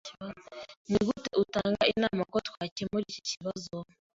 Nigute utanga inama ko twakemura iki kibazo?